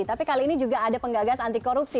tapi kali ini juga ada penggagas anti korupsi